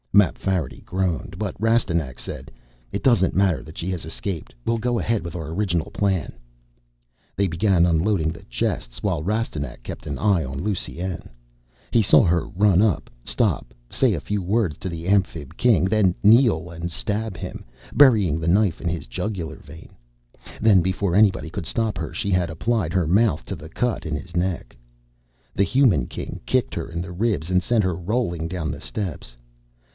Mapfarity groaned, but Rastignac said, "It doesn't matter that she has escaped. We'll go ahead with our original plan." They began unloading the chests while Rastignac kept an eye on Lusine. He saw her run up, stop, say a few words to the Amphib King, then kneel and stab him, burying the knife in his jugular vein. Then, before anybody could stop her she had applied her mouth to the cut in his neck. The Human King kicked her in the ribs and sent her rolling down the steps.